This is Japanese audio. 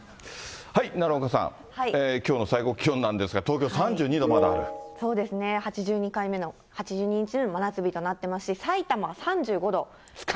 奈良岡さん、きょうの最高気温なそうですね、８２回目の、８２日目の真夏日になってますし、さいたまは３５度。